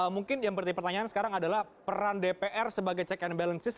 mungkin yang penting pertanyaan sekarang adalah peran dpr sebagai check and balances